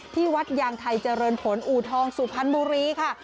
ที่วัดยางไทยเจริญผลอูทองสุพรรณบุรีค่ะ